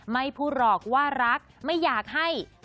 ไม่พูดหรอกว่ารักไม่อยากให้